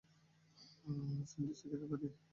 স্যান্ডউইচটা খেতে পারি?